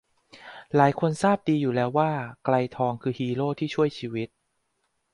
หลายคนทราบดีอยู่แล้วว่าไกรทองคือฮีโร่ที่ช่วยชีวิต